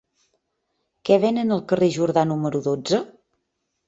Què venen al carrer de Jordà número dotze?